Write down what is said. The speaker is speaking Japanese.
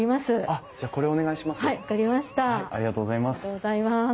ありがとうございます。